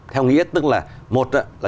theo nghĩa tức là một là